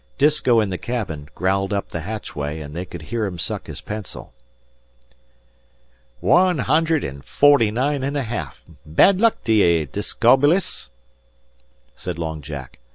Disko in the cabin growled up the hatchway, and they could hear him suck his pencil. "Wan hunder an' forty nine an' a half bad luck to ye, Discobolus!" said Long Jack.